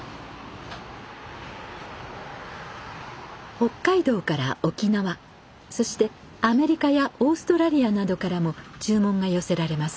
北海道から沖縄そしてアメリカやオーストラリアなどからも注文が寄せられます。